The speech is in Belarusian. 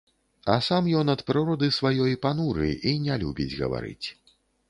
А сам ён ад прыроды сваёй пануры і не любіць гаварыць.